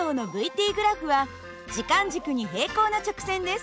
ｔグラフは時間軸に平行な直線です。